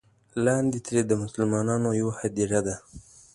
لاندې ترې د مسلمانانو یوه هدیره ده.